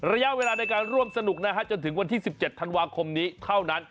ระยะเวลาในการร่วมสนุกนะฮะจนถึงวันที่๑๗ธันวาคมนี้เท่านั้น